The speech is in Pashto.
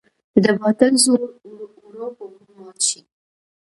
د باطل زور ورو په ورو مات شي.